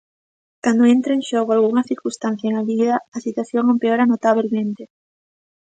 Cando entra en xogo algunha circunstancia engadida, a situación empeora notabelmente.